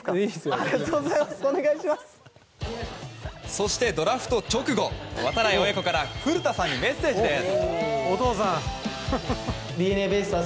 そしてドラフト直後度会親子から古田さんにメッセージです。